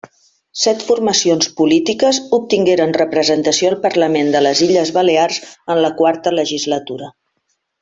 Set formacions polítiques obtingueren representació al Parlament de les Illes Balears en la Quarta Legislatura.